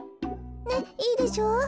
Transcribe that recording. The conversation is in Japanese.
ねっいいでしょう？